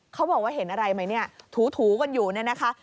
เขาบอกว่าเห็นอะไรไหมเนี่ยถูกันอยู่เนี่ยนะคะ